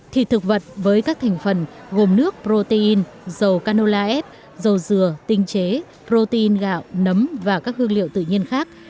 thịt thực vật với các thành phần gồm nước protein dầu canola ép dầu dừa tinh chế protein gạo nấm và các hương liệu tự nhiên khác